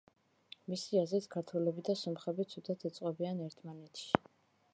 მისი აზრით, ქართველები და სომხები ცუდად ეწყობიან ერთმანეთში.